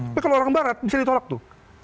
tapi kalau orang barat bisa ditolak tuh